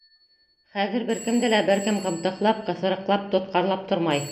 Хәҙер бер кемде лә бер кем ҡымтыҡлап, ҡыҫырыҡлап, тотҡарлап тормай.